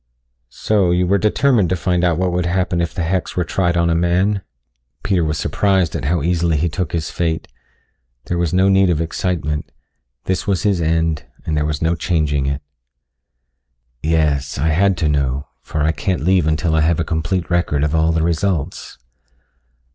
"So, you were determined to find out what would happen if the hex were tried on a man?" Peter was surprised at how easily he took his fate. There was no need of excitement this was his end and there was no changing it. "Yes, I had to know, for I can't leave until I have a complete record of all the results."